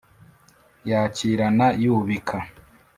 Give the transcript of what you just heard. Yakirana yubika,